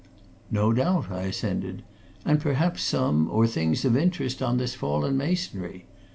"No doubt," I assented, "and perhaps some, or things of interest, on this fallen masonry.